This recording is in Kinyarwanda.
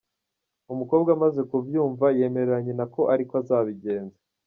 Umukobwa amaze kubyumva yemerera Nyina ko ariko azabigenza .